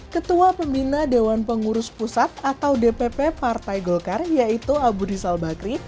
ketua pembina dewan pengurus pusat atau dpp partai golkar yaitu abu rizal bakri